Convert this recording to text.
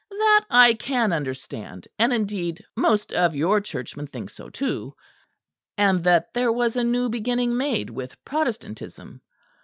That I can understand; and indeed most of your churchmen think so too; and that there was a new beginning made with Protestantism.